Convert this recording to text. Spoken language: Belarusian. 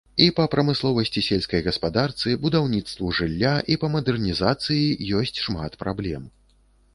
І па прамысловасці, сельскай гаспадарцы, будаўніцтву жылля, і па мадэрнізацыі ёсць шмат праблем.